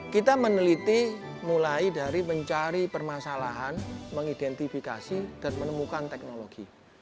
kita meneliti mulai dari mencari permasalahan mengidentifikasi dan menemukan teknologi